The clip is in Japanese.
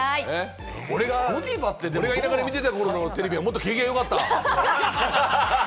俺が田舎で見ていた頃のテレビは、もうちょっと景気が良かった。